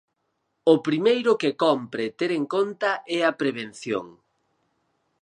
O primeiro que cómpre ter conta é a prevención.